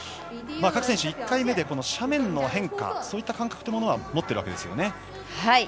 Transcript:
各選手、１回目で斜面の変化そういった感覚は持っているわけですよね。